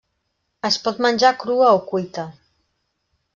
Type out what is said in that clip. Es pot menjar crua o cuita.